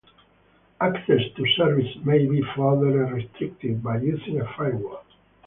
Access to a service may be further restricted by using a firewall.